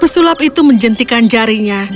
pesulap itu menjentikan jarinya